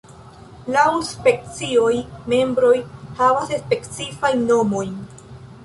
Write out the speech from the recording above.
Laŭ specioj, membroj havas specifajn nomojn.